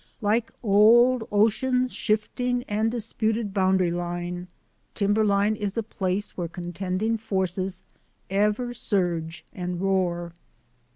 Like old ocean's shifting and disputed boundary line, timberline is a place where contending forces ever surge and roar.